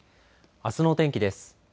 あすのお天気です。